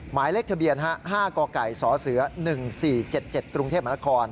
หมายเลขทะเบียน๕กสเส๑๔๗๗ตรมค